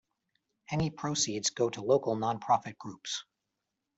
Any proceeds go to local non-profit groups.